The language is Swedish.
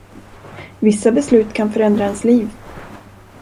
Vissa beslut kan förändra ens liv.